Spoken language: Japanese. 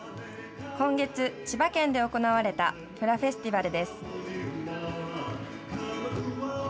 今月、千葉県で行われたフラフェスティバルです。